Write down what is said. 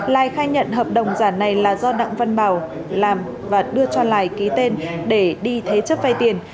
lai khai nhận hợp đồng giả này là do đặng văn bảo làm và đưa cho lài ký tên để đi thế chấp vay tiền